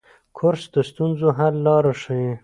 کورس د ستونزو حل لاره ښيي.